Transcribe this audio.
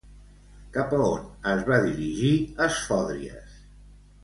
Cap a on es va dirigir Esfòdries?